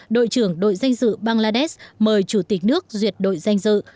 đội trưởng đội danh dự bangladesh mời chủ tịch nước duyệt đội danh dự